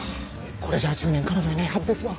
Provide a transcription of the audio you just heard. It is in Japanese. これじゃ１０年彼女いないはずですわ。